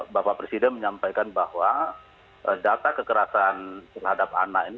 bapak presiden menyampaikan bahwa data kekerasan terhadap anak ini